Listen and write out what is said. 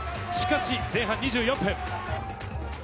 しかし前半２４分。